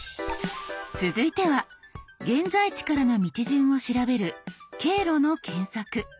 続いては現在地からの道順を調べる「経路の検索」。